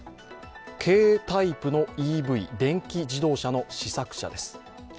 軽タイプのＥＶ＝電気自動車の試作車です。